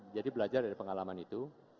jadi belajar dari pengalaman itu